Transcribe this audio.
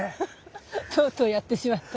とうとうやってしまった。